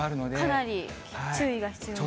かなり注意が必要ですね。